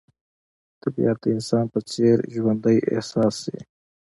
طبیعت د انسان په څېر ژوندی احساس شي.